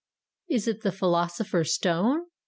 "Is it the philosopher's stone?"